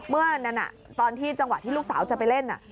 เมื่อนั้นตอนที่จังหวะที่ลูกสาวจะไปเล่น